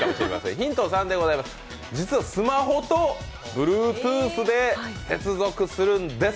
ヒント３、スマホとＢｌｕｅｔｏｏｔｈで接続するんです。